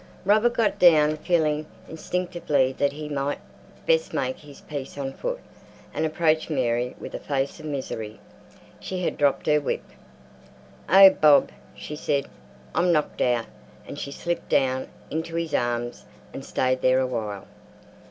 Robert got down feeling instinctively that he might best make his peace on foot, and approached Mary with a face of misery—she had dropped her whip. "Oh, Bob!" she said, "I'm knocked out;" and she slipped down into his arms and stayed there a while.